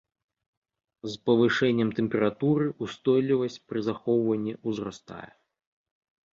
З павышэннем тэмпературы ўстойлівасць пры захоўванні ўзрастае.